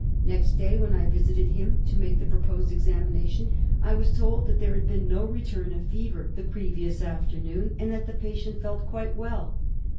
Next day when I visited him to make the proposed examination I was told that there had been no return of fever the previous afternoon, and that the patient felt quite well.